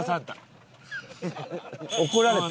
怒られた？